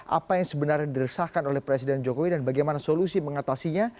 apa yang sebenarnya diresahkan oleh presiden jokowi dan bagaimana solusi mengatasinya